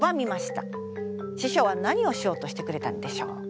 師匠はなにをしようとしてくれたんでしょうか？